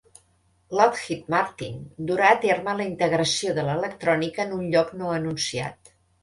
Lockheed Martin durà a terme la integració de l'electrònica en un lloc no anunciat.